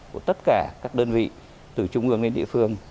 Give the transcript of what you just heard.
của tất cả các đơn vị từ trung ương đến địa phương